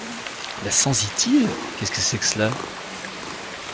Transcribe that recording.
La sensitive ?… qu’est-ce que c’est que cela ?